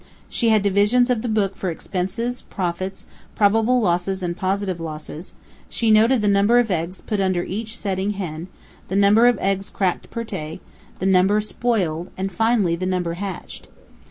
She had divisions of the book for expenses, profits, probable losses and positive losses; she noted the number of eggs put under each setting hen; the number of eggs cracked per day, the number spoiled, and finally, the number hatched.